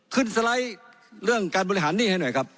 สไลด์เรื่องการบริหารหนี้ให้หน่อยครับ